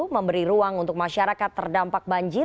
memberi ruang untuk masyarakat terdampak banjir